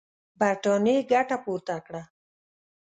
برټانیې ګټه پورته کړه.